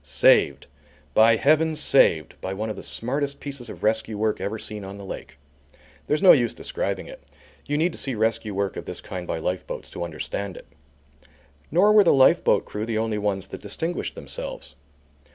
Saved! by Heaven, saved, by one of the smartest pieces of rescue work ever seen on the lake. There's no use describing it; you need to see rescue work of this kind by lifeboats to understand it. Nor were the lifeboat crew the only ones that distinguished themselves.